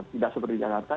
tidak seperti di jakarta